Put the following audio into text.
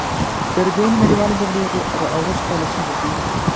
تر دویمې نړیوالې جګړې راوروسته لسیزو کې.